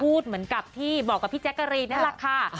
พูดเหมือนกับที่บอกกับพี่แจ๊การีน่ารักค่ะ